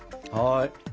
はい。